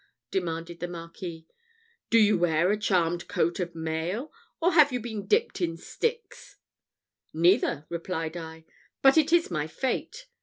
demanded the Marquis. "Do you wear a charmed coat of mail, or have you been dipped in Styx?" "Neither," replied I: "but it is my fate!